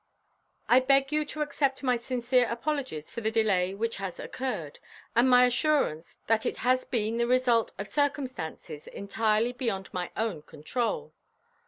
"I beg you to accept my sincere apologies for the delay which has occurred, and my assurance that it has been the result of circumstances entirely beyond my own control.